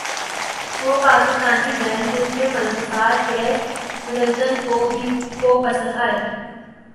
وہ پاکستانی برانڈز جن کے ملبوسات کیٹ مڈلٹن کو پسند ائے